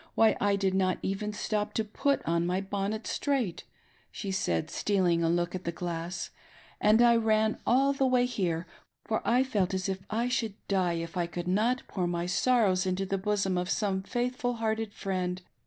Why, I did not even stop to put on my bonnet straight," she said, stealing a look at the glass, " and I ran all the way here, for I felt as if I should die if I could not pour my sorrows into the bosOrii of some faithful hearted friend.